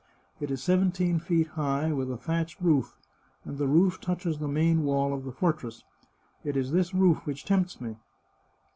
It is seventeen feet high, with a thatched roof, and the roof touches the main wall of the fortress. It is this roof which tempts me.